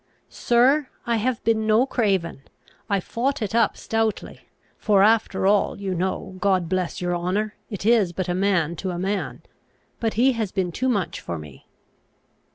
Sir, I have been no craven; I fought it up stoutly; for after all, you know, God bless your honour! it is but a man to a man; but he has been too much for me.